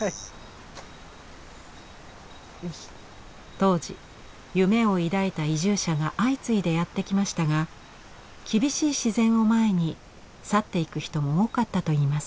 当時夢を抱いた移住者が相次いでやって来ましたが厳しい自然を前に去っていく人も多かったといいます。